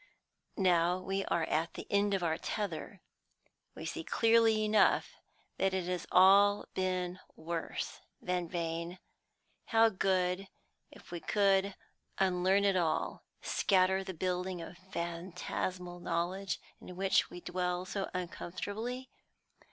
Now we are at the end of our tether, we see clearly enough that it has all been worse than vain; how good if we could unlearn it all, scatter the building of phantasmal knowledge in which we dwell so uncomfortably!